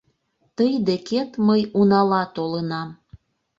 Тый декет мый унала толынам!..